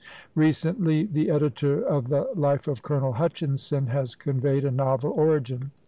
Recently the editor of the Life of Colonel Hutchinson has conveyed a novel origin.